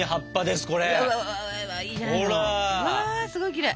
すごいきれい。